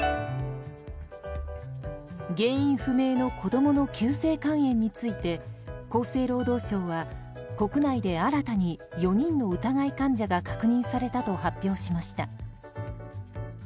原因不明の子供の急性肝炎について厚生労働省は国内で新たに４人の疑い患者が確認されたと発表しました。